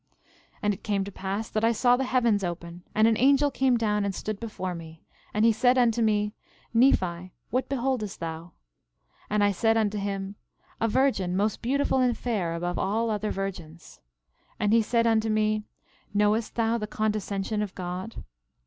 11:14 And it came to pass that I saw the heavens open; and an angel came down and stood before me; and he said unto me: Nephi, what beholdest thou? 11:15 And I said unto him: A virgin, most beautiful and fair above all other virgins. 11:16 And he said unto me: Knowest thou the condescension of God?